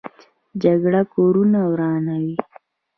جګړه کورونه ورانوي